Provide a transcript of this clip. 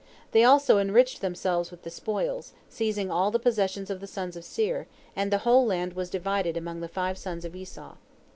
They also enriched themselves with the spoils, seizing all the possessions of the sons of Seir, and the whole land was divided among the five sons of Esau.